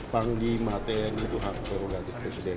panglima tni itu harus diperluan oleh presiden